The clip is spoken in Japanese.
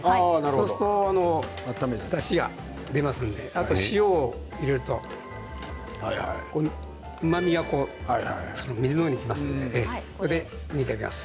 そうすると、だしが出ますのであと塩を入れるとここにうまみが水の方に出ますのでこれで煮ていきます。